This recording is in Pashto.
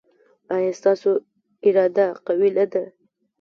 ایا ستاسو اراده قوي نه ده؟